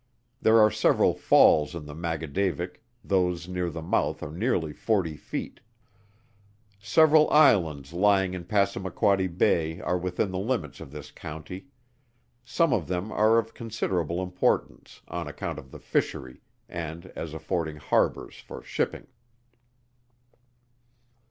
There are several falls in the Maggagaudavick those near the mouth are nearly forty feet. Several Islands lying in Passamaquoddy Bay are within the limits of this county. Some of them are of considerable importance, on account of the fishery, and as affording harbors for shipping.